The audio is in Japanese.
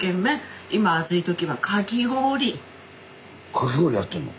かき氷やってんの？